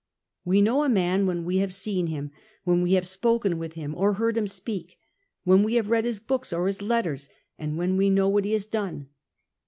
We know a man when we liave seen him, when we have spoken witli him or heard him speak, when we have read his books or his letters, and when we know what he lias done.